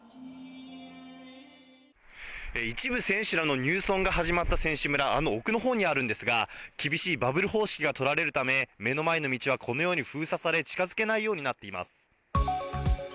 一部選手らの入村が始まった選手村、あの奥のほうにあるんですが、厳しいバブル方式が取られるため、目の前の道はこのように封鎖され、近づけないようになっています。